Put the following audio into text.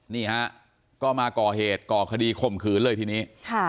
นี่ฮะก็มาก่อเหตุก่อคดีข่มขืนเลยทีนี้